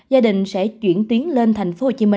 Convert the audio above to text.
gia đình sẽ chuyển tiến lên tp hcm